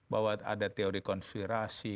bahwa ada teori konspirasi